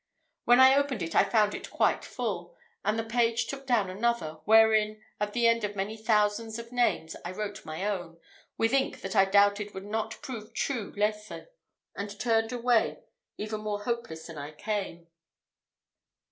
When I opened it I found it quite full; and the page took down another, wherein, at the end of many thousands of names, I wrote my own, with ink that I doubted not would prove true Lethe, and turned away even more hopeless than I came.